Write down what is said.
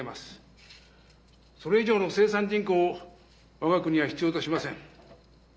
それ以上の生産人口を我が国は必要としません。